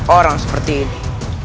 orang seperti ini